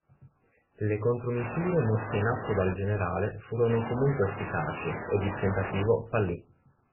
Le contromisure messe in atto dal Generale furono comunque efficaci ed il tentativo fallì.